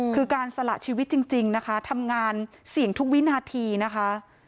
คือการสละชีวิตจริงนะคะทำงานเสี่ยงทุกวินาทีนะคะ